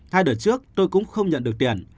hai đợt trước tôi cũng không nhận được tiền